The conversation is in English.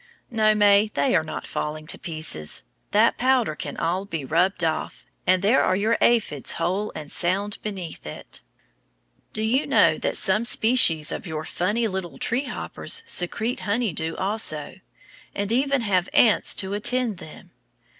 No, May, they are not falling to pieces; that powder can all be rubbed off, and there are your aphids whole and sound beneath it. Do you know that some species of your funny little tree hoppers secrete honey dew also, and even have ants to attend them?